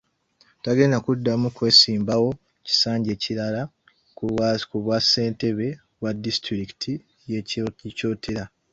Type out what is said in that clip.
Ttagenda kuddamu kwesimbawo kisanja kirala ku bwassentebe bwa disitulikiti y'e Kyotera.